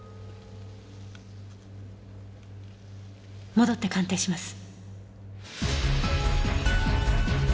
戻って鑑定します。